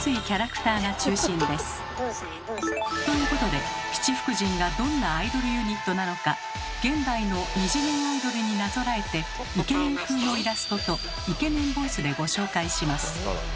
ブーさんやブーさん。ということで七福神がどんなアイドルユニットなのか現代の２次元アイドルになぞらえてイケメン風のイラストとイケメンボイスでご紹介します。